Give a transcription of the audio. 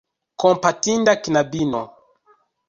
Kompatinda knabino!